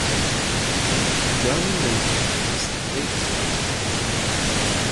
Jarmon then proposes a debate.